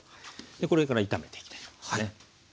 これから炒めていきたいと思いますね。